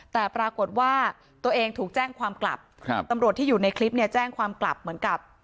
แต่ปรากฏว่าตัวเองถูกแจ้งความกลับครับตำรวจที่อยู่ในคลิปเนี่ยแจ้งความกลับเหมือนกับ